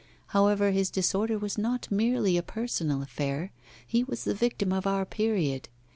However, his disorder was not merely a personal affair, he was the victim of our period.